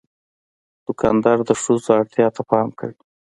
دوکاندار د ښځو اړتیا ته پام کوي.